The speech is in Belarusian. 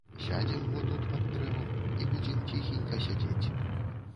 Сядзем во тут, пад дрэвам, і будзем ціхенька сядзець.